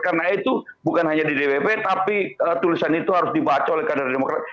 karena itu bukan hanya di dpp tapi tulisan itu harus dibaca oleh kader demokrat